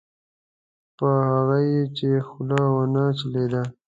په هغه یې چې خوله ونه چلېده.